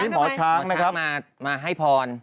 มีนะครับก่อน